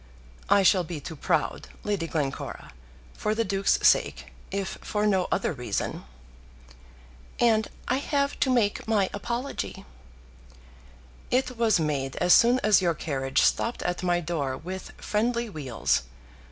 "I shall be too proud, Lady Glencora; for the Duke's sake, if for no other reason." "And I have to make my apology." "It was made as soon as your carriage stopped at my door with friendly wheels.